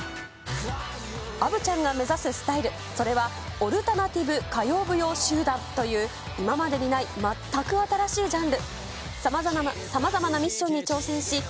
アヴちゃんが目指すスタイル、それはオルタナティブ歌謡舞踊集団という今までにない全く新しいジャンル。